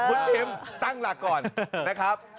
คุณเอ็มตั้งหลักก่อนนะครับ